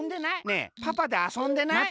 ねえパパであそんでない？